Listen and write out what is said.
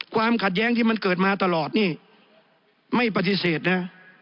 ความขัดแย้งที่มันเกิดมาตลอดนี่ไม่ปฏิเสธนะ